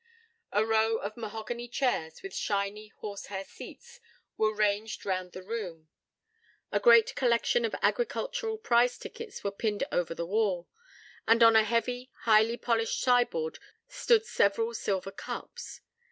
A row of mahogany chairs, with shiny, horse hair seats, were ranged round the room. A great collection of agricultural prize tickets were pinned over the wall; and, on a heavy, highly polished sideboard stood several silver cups.